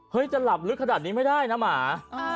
จะหลับลึกขนาดนี้ไม่ได้นะหมา